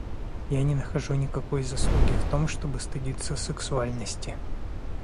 Я не нахожу никакой заслуги в том, чтобы стыдиться сексуальности.